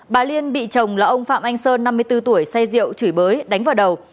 bà liên bị chồng là ông phạm anh sơn năm mươi bốn tuổi say rượu chửi bới đánh vào đầu